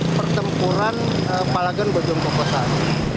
ini pertempuran palagan bojong kokosan